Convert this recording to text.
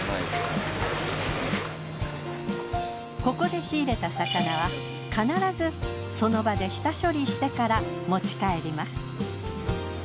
ここで仕入れた魚は必ずその場で下処理してから持ち帰ります。